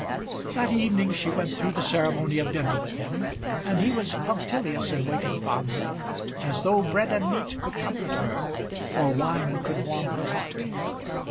That evening she went through the ceremony of dinner with him, and he was punctilious in waiting upon her as though bread and meat could comfort her or wine could warm her heart.